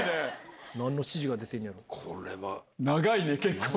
何の指示が出てんねやろ？